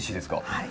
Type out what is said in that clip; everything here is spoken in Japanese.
はい。